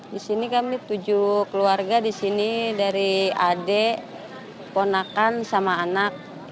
di sini kami tujuh keluarga di sini dari adik ponakan sama anak